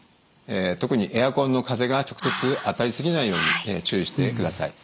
特にエアコンの風が直接当たり過ぎないように注意してください。